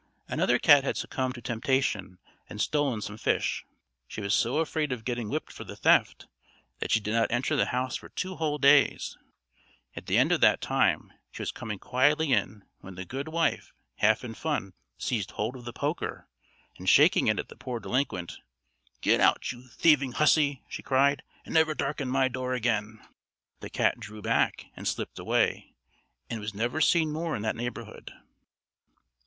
Another cat had succumbed to temptation and stolen some fish; she was so afraid of getting whipped for the theft, that she did not enter the house for two whole days. At the end of that time she was coming quietly in, when the goodwife, half in fun, seized hold of the poker, and shaking it at the poor delinquent, "Go out, you thieving hussy," she cried, "and never darken my door again." The cat drew back, and slipped away, and was never seen more in that neighbourhood.